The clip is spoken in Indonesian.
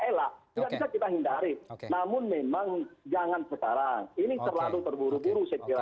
ini terlalu terburu buru saya kira